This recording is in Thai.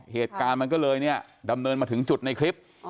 เหตุการณ์มันก็เลยเนี่ยดำเนินมาถึงจุดในคลิป